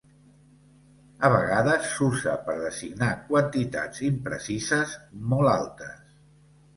A vegades s'usa per designar quantitats imprecises molt altes.